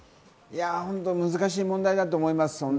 難しい問題だと思います。